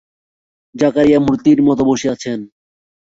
জাকারিয়া মূর্তির মতো বসে আছেন।